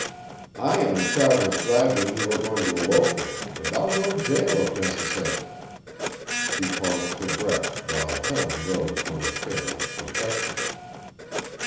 I am the Travers Gladwin you were going to elope with, and I'll go to jail if necessary." He paused for breath, while Helen rose from her chair and protested.